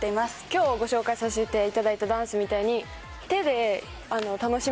今日ご紹介させていただいたダンスみたいに。